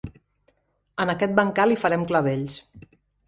En aquest bancal hi farem clavells.